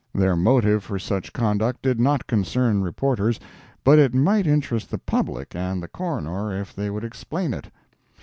Their motive for such conduct did not concern reporters, but it might interest the public and the Coroner if they would explain it.